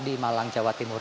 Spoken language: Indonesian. di malang jawa timur